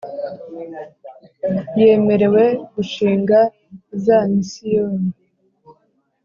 yemerewe gushinga za misiyoni